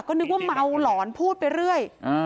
ก็นึกว่าเมาหลอนพูดไปเรื่อย